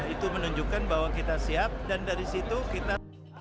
itu menunjukkan bahwa kita siap dan dari situ kita